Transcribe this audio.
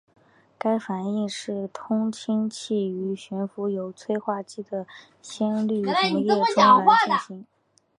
该反应是通氢气于悬浮有催化剂的酰氯溶液中来进行。